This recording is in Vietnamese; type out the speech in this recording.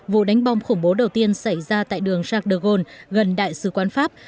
vụ đánh bom khủng bố đầu tiên xảy ra tại đường jacques de gaulle gần đại sứ quán pháp